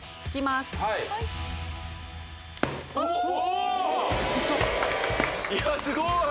はいいやすごい！